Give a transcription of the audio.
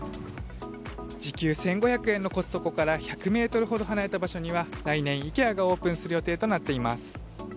時給１５００円のコストコから１００ｍほど離れた場所には来年、イケアがオープンする予定となっています。